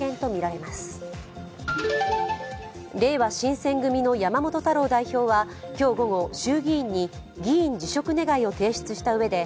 れいわ新選組の山本太郎代表は今日午後、衆議院に議員辞職願を提出したうえで